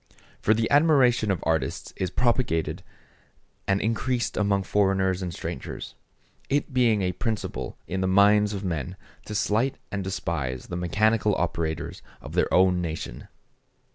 For the admiration of artists is propagated and increased among foreigners and strangers; it being a principle in the minds of men to slight and despise the mechanical operators of their own nation.